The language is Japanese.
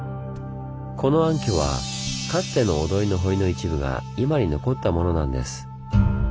この暗渠はかつての御土居の堀の一部が今に残ったものなんです。